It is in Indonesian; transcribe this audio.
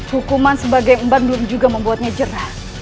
hukuman sebagai umbandur juga membuatnya jerah